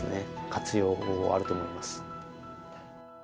活用法はあると思います。